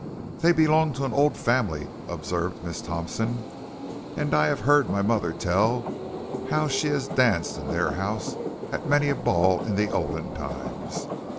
"'They belong to an old family,' observed Miss Thompson, 'and I have heard my mother tell how she has danced in their house at many a ball in the olden times.